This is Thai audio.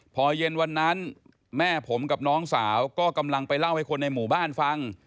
พอเย็นวันนั้นแม่ผมกับน้องสาวก็กำลังไปเล่าให้คนในหมู่บ้านฟัง